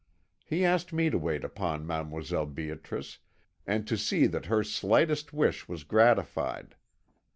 He asked me to wait upon Mdlle. Beatrice, and to see that her slightest wish was gratified.